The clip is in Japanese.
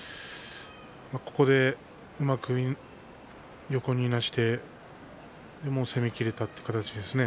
ここでうまく横にいなして攻めきれたという形ですね。